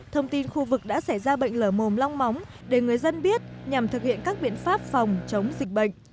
thông tin khu vực đã xảy ra bệnh lở mồm long móng để người dân biết nhằm thực hiện các biện pháp phòng chống dịch bệnh